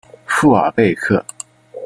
富尔贝克。